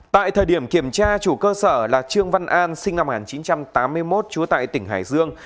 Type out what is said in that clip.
tại thời điểm kiểm tra chủ cơ sở là trương văn an sinh năm một nghìn chín trăm tám mươi một trú tại tỉnh hải dương